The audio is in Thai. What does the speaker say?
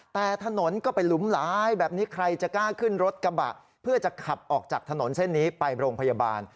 แต่ถนนก็เป็นหลุมหลายแบบนี้ใครจะกล้าขึ้นรถกระบะเพื่อจะขับออกจากถนนเส้นนี้ไปโรงพยาบาล